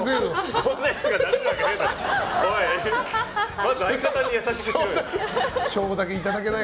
こんなやつがなれるわけない。